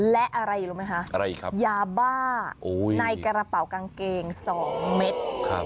และอะไรรู้ไหมคะยาบ้าในกระเป๋ากางเกง๒เม็ด